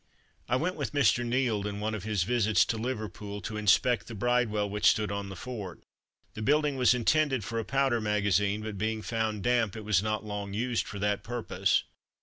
I went with Mr. Nield, in one of his visits to Liverpool, to inspect the Bridewell which stood on the Fort. The building was intended for a powder magazine; but being found damp, it was not long used for that purpose.